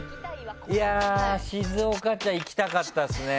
いやあ、静岡茶行きたかったっすね。